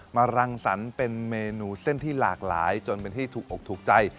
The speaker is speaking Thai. รังสรรค์เป็นเมนูเส้นที่หลากหลายจนเป็นที่ถูกอกถูกใจ